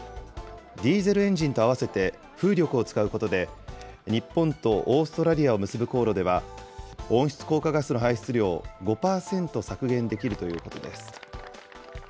ディーゼルエンジンと合わせて、風力を使うことで、日本とオーストラリアを結ぶ航路では、温室効果ガスの排出量を５％削減できるということです。